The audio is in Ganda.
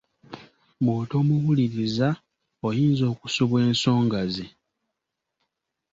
Bw’otomuwuliriza oyinza okusubwa ensonga ze.